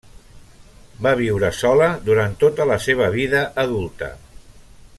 Va viure sola durant tota la seva vida adulta.